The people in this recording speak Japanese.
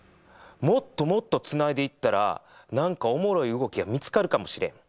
もっともっとつないでいったら何かおもろい動きが見つかるかもしれん。